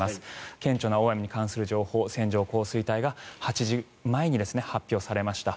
顕著な大雨に関する情報線状降水帯が８時前に発表されました。